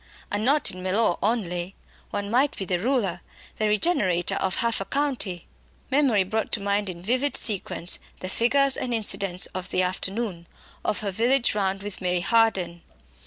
And not in Mellor only. One might be the ruler, the regenerator of half a county!" Memory brought to mind in vivid sequence the figures and incidents of the afternoon, of her village round with Mary Harden.